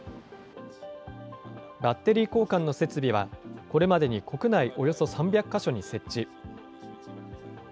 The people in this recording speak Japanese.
バッテリー交換の設備は、これまでに国内およそ３００か所に設置。